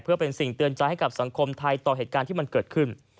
เพื่อเป็นสิ่งเตือนใจให้กับสังคมไทยต่อเหตุการณ์ที่มันเกิดขึ้น